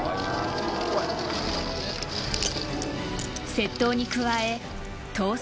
［窃盗に加え逃走］